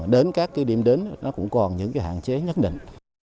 đến các điểm đến cũng còn những hạn chế nhất định